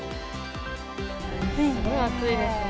すごい暑いですね。